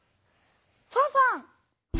ファンファン！